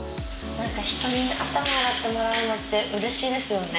人に頭洗ってもらうのってうれしいですよね。